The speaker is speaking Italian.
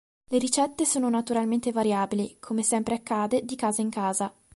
Le ricette sono naturalmente variabili, come sempre accade di "casa in casa".